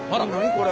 これ。